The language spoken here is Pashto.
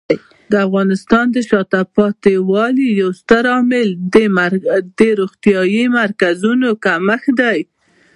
د افغانستان د شاته پاتې والي یو ستر عامل د روغتیايي مرکزونو کمښت دی.